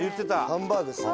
ハンバーグですね。